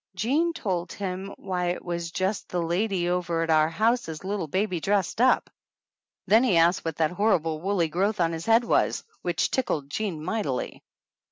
Jean told him why it was just the lady over at our house's little baby dressed up. Then he asked what that horrible woolly 191 THE ANNALS OF ANN growth on his head was, which tickled Jean mightily.